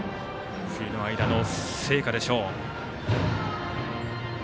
冬の間の成果でしょう。